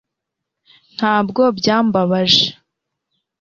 ntabwo byambabaje